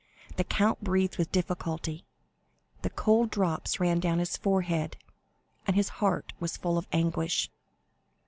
The count breathed with difficulty; the cold drops ran down his forehead, and his heart was full of anguish.